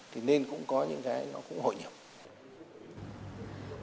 thì nên cũng có những cái nó cũng hội nhập